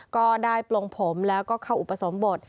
ก็ได้ปลงผมแล้วก็เข้าอุปสมบท